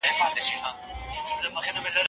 د هوا ککړتیا هر چا ته زیان رسوي.